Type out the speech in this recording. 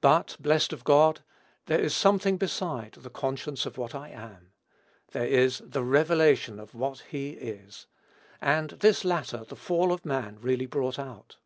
But, blessed be God, there is something beside the conscience of what I am. There is the revelation of what he is; and this latter the fall of man really brought out.